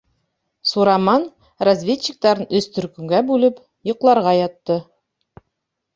Сураман, разведчиктарын өс төркөмгә бүлеп, йоҡларға ятты.